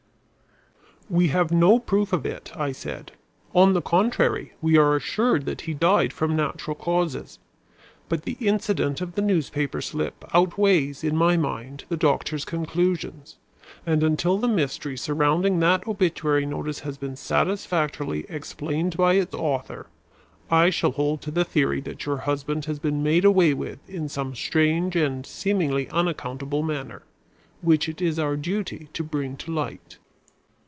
"We have no proof of it," I said. "On the contrary, we are assured that he died from natural causes. But the incident of the newspaper slip outweighs, in my mind, the doctor's conclusions, and until the mystery surrounding that obituary notice has been satisfactorily explained by its author, I shall hold to the theory that your husband has been made away with in some strange and seemingly unaccountable manner, which it is our duty to bring to light."